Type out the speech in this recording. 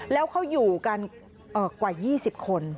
แล้วเขาอยู่กันกว่า๒๐คน